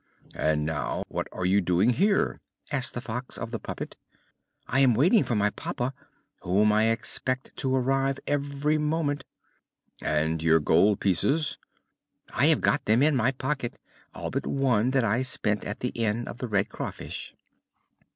"And now, what are you doing here?" asked the Fox of the puppet. "I am waiting for my papa, whom I expect to arrive every moment." "And your gold pieces?" "I have got them in my pocket, all but one that I spent at the inn of The Red Craw Fish."